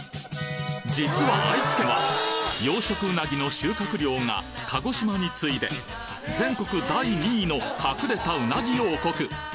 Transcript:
実は愛知県は養殖うなぎの収穫量が鹿児島に次いで全国第２位の隠れたうなぎ王国。